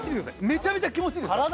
めちゃめちゃ気持ちいいですから。